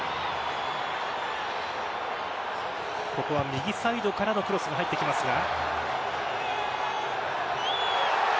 右サイドからのクロスが入ってきますが。